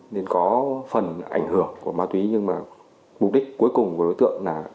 nên có phần ảnh hưởng của ma túy nhưng mà mục đích cuối cùng của đối tượng là